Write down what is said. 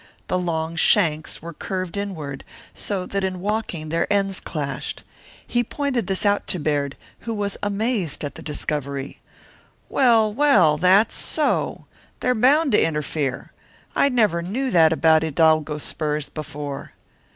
The long shanks were curved inward so that in walking their ends clashed. He pointed this out to Baird, who was amazed at the discovery. "Well, well, that's so! They're bound to interfere. I never knew that about hidalgo spurs before."